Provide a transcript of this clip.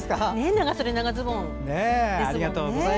長袖、長ズボンですもんね。